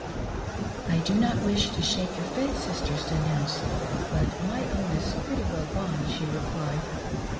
" I do not wish to shake your faith. Sister Stenhouse, but my own is pretty well gon'e," she replied.